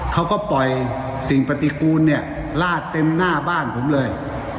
เขาก็ปล่อยสิ่งปฏิกูลเนี่ยลาดเต็มหน้าบ้านผมเลย